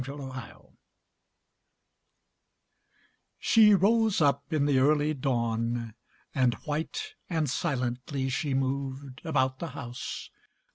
THE MESSENGER She rose up in the early dawn, And white and silently she moved About the house.